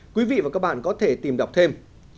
quý vị và các bạn có thể tìm đọc thêm